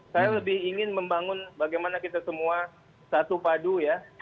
saya lebih ingin membangun bagaimana kita semua satu padu ya